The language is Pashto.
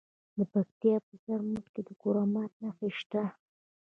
د پکتیا په زرمت کې د کرومایټ نښې شته.